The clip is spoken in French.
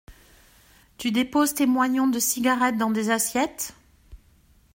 Tu déposes tes moignons de cigarettes dans des assiettes ?